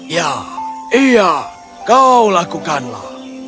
ya iya kau lakukanlah